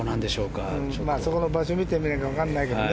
そこの場所を見てみないとわからないけどね。